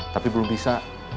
tapi belum bisa